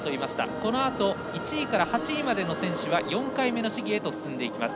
このあと１位から８位までの選手が４回目の試技へと進んでいきます。